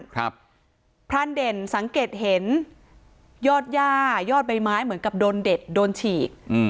พรานเด่นสังเกตเห็นยอดย่ายอดใบไม้เหมือนกับโดนเด็ดโดนฉีกอืม